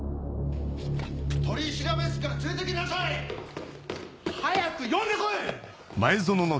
・取調室から連れて来なさい！早く呼んで来い！